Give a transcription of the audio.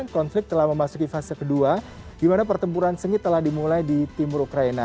konflik telah memasuki fase kedua di mana pertempuran sengit telah dimulai di timur ukraina